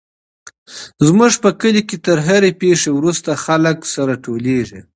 زموږ په کلي کي تر هرې پېښي وروسته خلک سره ټولېږي.